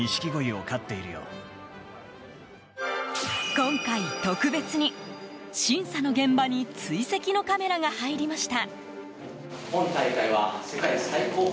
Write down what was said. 今回、特別に、審査の現場に追跡のカメラが入りました。